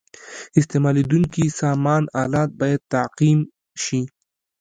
استعمالیدونکي سامان آلات باید تعقیم شي.